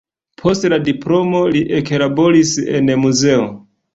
Post la diplomo li eklaboris en muzeo.